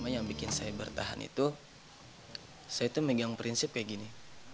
yang bikin saya bertahan itu saya itu megang prinsip kayak gini